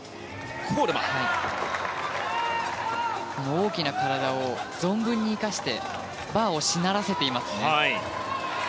大きな体を存分に生かしてバーをしならせていますね。